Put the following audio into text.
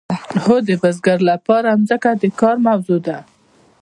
هو د بزګر لپاره ځمکه د کار موضوع ده.